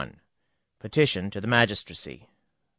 281. PETITION TO THE MAGISTRACY.